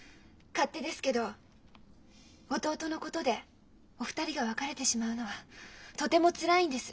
勝手ですけど弟のことでお二人が別れてしまうのはとてもつらいんです。